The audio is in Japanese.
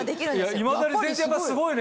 いまだに全然やっぱすごいね！